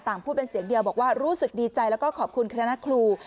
พูดเป็นเสียงเดียวบอกว่ารู้สึกดีใจแล้วก็ขอบคุณคณะครู